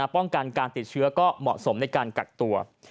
ป้องกันการติดเชื้อก็เหมาะสมในการกักตัว